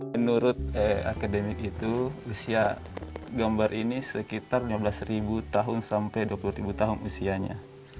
menurut akademik itu usia gambar ini sekitar lima belas tahun sampai dua puluh tahun usianya